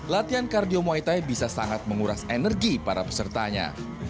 latihan kardio muay thai bisa sangat menguras energi para pesertanya